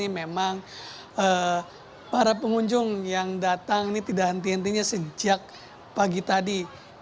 memang para pengunjung yang datang ini tidak henti hentinya sejak pagi tadi